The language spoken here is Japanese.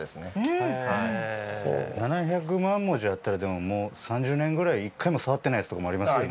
７００万文字あったらもう３０年ぐらい１回も触ってないやつとかもありますよね？